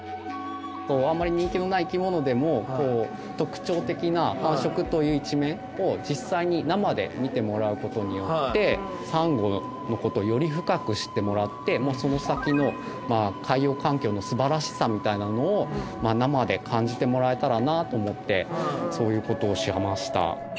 あんまり人気のない生き物でも特徴的な繁殖という一面を実際に生で見てもらうことによってサンゴのことをより深く知ってもらってその先の海洋環境の素晴らしさみたいなのを生で感じてもらえたらなと思ってそういうことをしました。